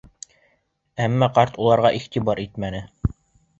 Әммә ҡарт уларға иғтибар итмәне.